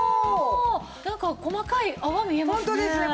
なんか細かい泡見えますね。